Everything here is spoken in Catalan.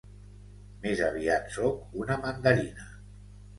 Més aviat sóc una mandarina.